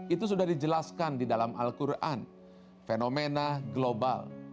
itu sudah dijelaskan di dalam al quran fenomena global